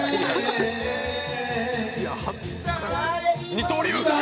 「二刀流！」